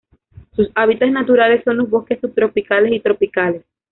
Sus hábitats naturales son los bosques subtropicales y tropicales.